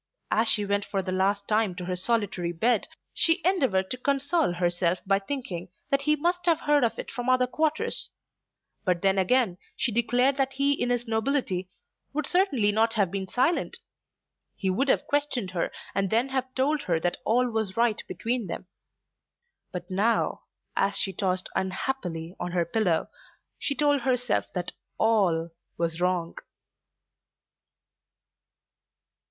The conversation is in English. As she went for the last time to her solitary bed she endeavoured to console herself by thinking that he must have heard of it from other quarters. But then again she declared that he in his nobility would certainly not have been silent. He would have questioned her and then have told her that all was right between them. But now as she tossed unhappily on her pillow she told herself that all was wrong.